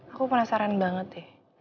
aku penasaran banget deh